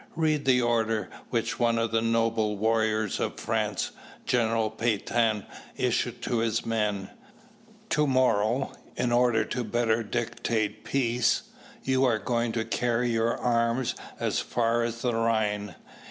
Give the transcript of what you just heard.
Read the order which one of the noble warriors of France, General Pétain, issued to his men: "To morrow, in order to better dictate peace, you are going to carry your arms as far as the Rhine.